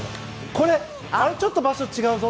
これ、ちょっと場所が違うぞ。